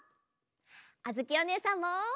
あづきおねえさんも！